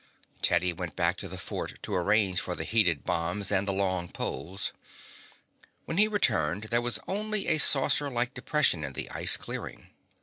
Teddy went back to the fort to arrange for the heated bombs and the long poles. When he returned there was only a saucerlike depression in the ice clearing.